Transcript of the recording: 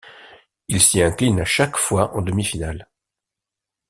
Ils s'y inclinent à chaque fois en demi-finale.